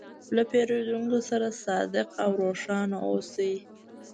له پیرودونکي سره صادق او روښانه اوسې.